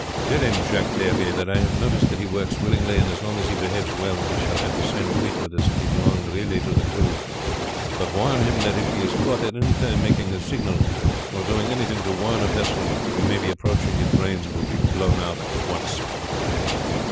"Tell him, Jacques Clery, that I have noticed that he works willingly, and as long as he behaves well he shall have the same treatment as if he belonged really to the crew; but warn him that if he is caught at any time making a signal, or doing anything to warn a vessel we may be approaching, his brains will be blown out at once."